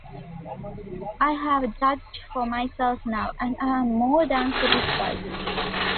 I have judged for myself now, and am more than satisfied.